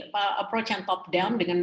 penganggapan yang top down dengan